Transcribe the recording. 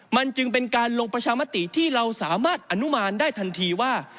มันจึงเป็นการลงประชามติที่เราสามารถอนุมานได้ทันทีว่า